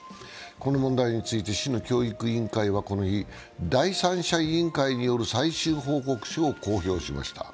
この問題について、市の教育委員会はこの日、第三者委員会による最終報告書を公表しました。